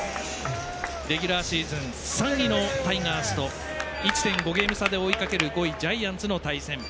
レギュラーシーズン３位のタイガースと１．５ゲーム差で追いかける５位ジャイアンツとの対戦。